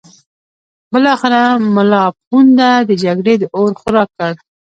بالاخره ملا پوونده د جګړې د اور خوراک کړ.